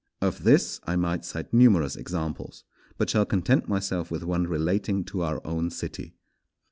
Of this I might cite numerous examples, but shall content myself with one relating to our own city.